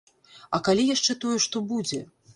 А калі яшчэ тое што будзе?